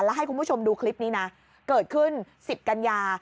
แล้วให้คุณผู้ชมดูคลิปนี้นะเกิดขึ้น๑๐กันยา